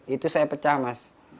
itu saya pecah mas